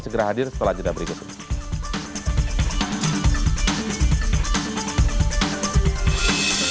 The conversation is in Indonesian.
segera hadir setelah cerita berikutnya